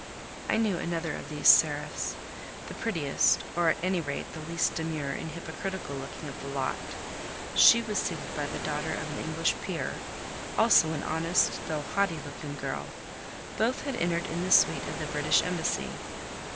I knew another of these seraphs—the prettiest, or, at any rate, the least demure and hypocritical looking of the lot: she was seated by the daughter of an English peer, also an honest, though haughty looking girl: both had entered in the suite of the British embassy.